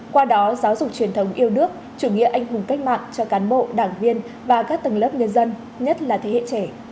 qua đó giáo dục truyền thống yêu nước chủ nghĩa anh hùng cách mạng cho cán bộ đảng viên và các tầng lớp nhân dân nhất là thế hệ trẻ